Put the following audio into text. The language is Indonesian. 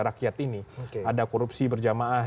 rakyat ini ada korupsi berjamaah